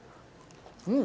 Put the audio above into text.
うん！